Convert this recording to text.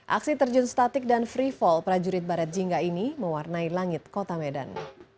aksi terjun statik dan free fall prajurit barat jingga ini mewarnai langit kota medan